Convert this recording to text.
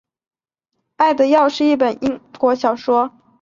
爱的药是一本美国小说。